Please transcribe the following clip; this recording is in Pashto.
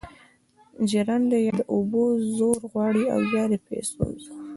ژرنده یا د اوبو زور غواړي او یا د پیسو زور.